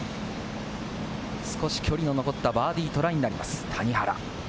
少し距離の残ったバーディートライになります、谷原。